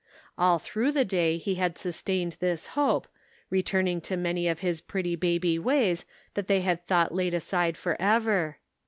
All through the day he had sustained this hope, returning to many of his pretty baby ways that they had thought laid aside forever.